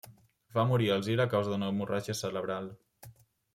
Va morir a Alzira a causa d'una hemorràgia cerebral.